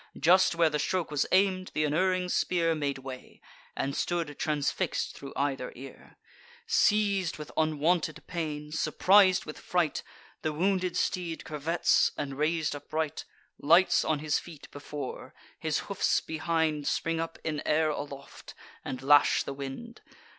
Just where the stroke was aim'd, th' unerring spear Made way, and stood transfix'd thro' either ear. Seiz'd with unwonted pain, surpris'd with fright, The wounded steed curvets, and, rais'd upright, Lights on his feet before; his hoofs behind Spring up in air aloft, and lash the wind.